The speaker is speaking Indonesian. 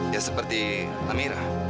ya seperti amira